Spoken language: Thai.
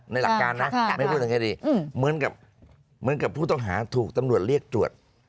ในหลักการน่ะครับครับไม่พูดตังไงดีอืมเหมือนกับเหมือนกับผู้ต่างหาถูกตำดวชเรียกตรวจ